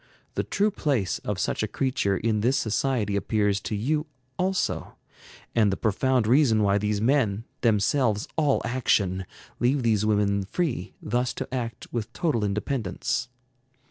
The true place of such a creature in this society appears to you also, and the profound reason why these men, themselves all action, leave these women free thus to act with total independence.